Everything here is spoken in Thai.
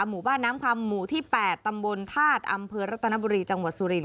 หมู่บ้านน้ำคำหมู่ที่๘ตำบลธาตุอำเภอรัตนบุรีจังหวัดสุรินท